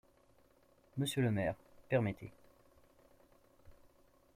Monsieur le maire, permettez...